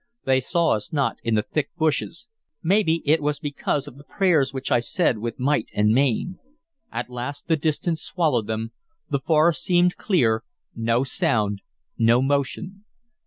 They saw us not in the thick bushes; maybe it was because of the prayers which I said with might and main. At last the distance swallowed them, the forest seemed clear, no sound, no motion.